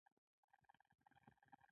له امیر سره دا اندېښنه پیدا شوه.